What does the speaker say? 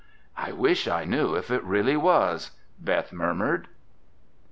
"I wish I knew if it really was," Beth murmured.